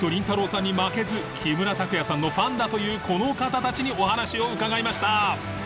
さんに負けず木村拓哉さんのファンだというこの方たちにお話を伺いました